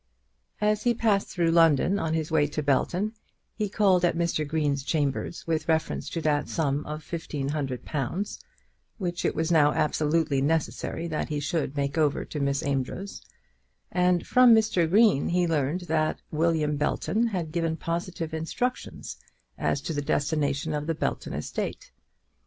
As he passed through London on his way to Belton he called at Mr. Green's chambers with reference to that sum of fifteen hundred pounds, which it was now absolutely necessary that he should make over to Miss Amedroz, and from Mr. Green he learned that William Belton had given positive instructions as to the destination of the Belton estate.